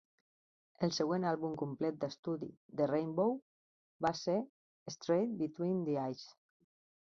El següent àlbum complet d'estudi de Rainbow va ser "Straight Between the Eyes".